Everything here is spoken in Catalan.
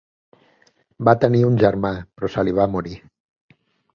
Va tenir un germà, però se li va morir.